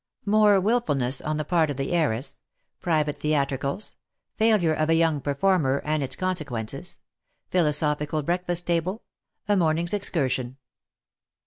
MORE WILFULNESS ON THE PART OF THE HEIRESS PRIVATE THE ATRICALS FAILURE OF A YOUNG PERFORMER, AND ITS CON SEQUENCES PHILOSOPHICAL BREAKFAST TABLE A MORNING 's EXCURSION.